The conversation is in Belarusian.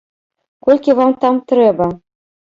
Колькі вам там трэба?